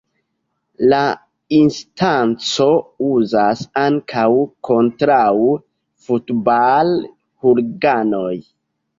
La instanco uzas ankaŭ kontraŭ futbal-huliganoj.